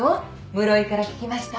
室井から聞きました。